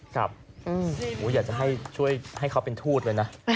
อยากจะให้ช่วยให้เขาเป็นทูตเลยนะ